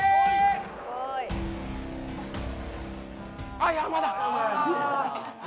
あっ、山だ。